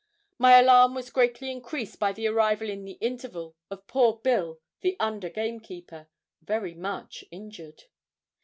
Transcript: My alarm was greatly increased by the arrival in the interval of poor Bill, the under gamekeeper, very much injured.